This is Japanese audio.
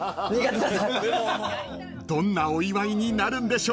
［どんなお祝いになるんでしょうか］